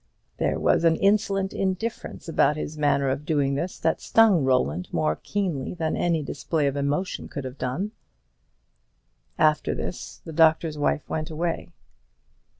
There was an insolent indifference about his manner of doing this that stung Roland more keenly than any display of emotion could have done. After this the Doctor's Wife went away.